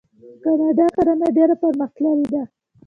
د کاناډا کرنه ډیره پرمختللې ده.